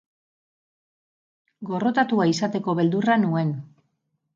Gorrotatua izateko beldurra nuen.